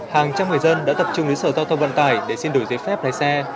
hàng trăm người dân đã tập trung đến sở giao thông vận tải để xin đổi giấy phép lái xe